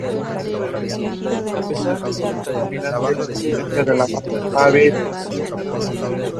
Es la cuarta canción del lado B de su álbum debut, "Ser humano!!